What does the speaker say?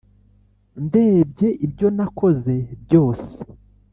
ndebye ibyo nakoze byose.